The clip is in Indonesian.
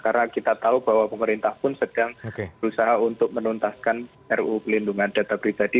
karena kita tahu bahwa pemerintah pun sedang berusaha untuk menuntaskan ruu pelindungan data pribadi